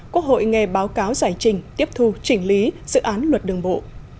quốc hội nghe báo cáo giải trình tiếp thu chỉnh lý dự án luật đường bộ